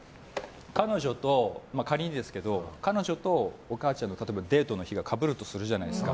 仮にですけど彼女とお母さんのデートの日がかぶるとするじゃないですか。